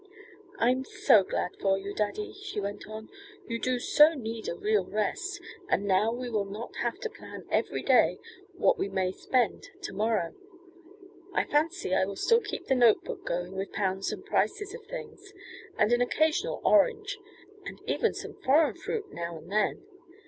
"I'm so glad for you, daddy," she went on. "You do so need a real rest, and now we will not have to plan every day what we may spend to morrow. I fancy I will still keep the note book going with pounds and prices of things, and an occasional orange, and even some foreign fruit now and then.